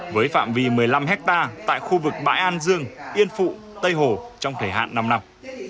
với phạm vi một mươi năm hectare tại khu vực bãi an dương yên phụ tây hồ trong thời hạn năm năm